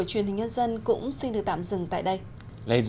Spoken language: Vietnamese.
thưa quý vị chương trình tạp chí đối ngoại tuần này